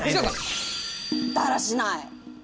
だらしない！